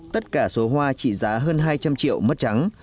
tất cả số hoa trị giá hơn hai trăm linh triệu mất trắng